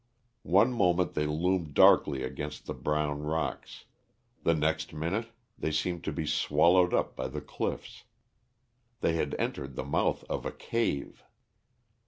One moment they loomed darkly against the brown rocks, the next minute they seemed to be swallowed up by the cliffs. They had entered the mouth of a cave.